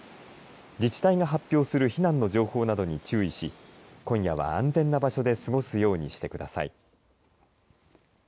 自治体が発表する避難の情報などに注意し、今夜は安全な場所で過ごすようにしてください。